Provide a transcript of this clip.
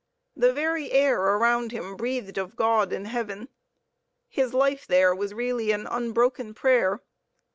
The very air around him breathed of God and heaven. His life there was really an unbroken prayer.